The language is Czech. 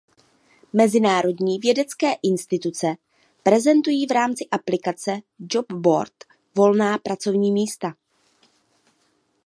Mezinárodní vědecké instituce prezentují v rámci aplikace "Job Board" volná pracovní místa.